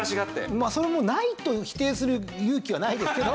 まあそれもないと否定する勇気はないですけど。